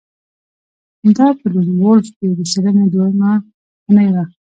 دا په لون وولف کې د څیړنې دویمه اونۍ وه